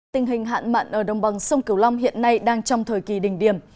tình hình hạn mặn ở đồng bằng sông kiều long hiện nay đang trong thời kỳ đỉnh điểm